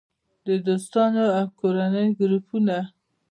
- د دوستانو او کورنۍ ګروپونه